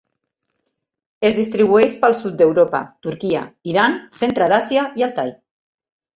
Es distribueix pel sud d'Europa, Turquia, Iran, centre d'Àsia i Altai.